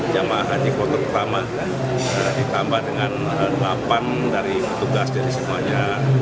jemaah haji klotr i ditambah dengan delapan dari petugas jadi semuanya tiga ratus enam puluh